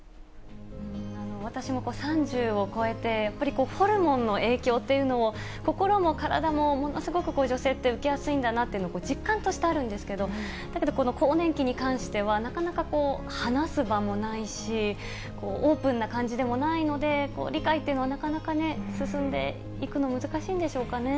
私も３０を超えて、やっぱりホルモンの影響っていうのを、心も体もものすごく女性って受けやすいんだなって実感としてあるんですけど、だけどこの更年期に関しては、なかなか話す場もないし、オープンな感じでもないので、理解っていうのはなかなかね、進んでいくの難しいんでしょうかね。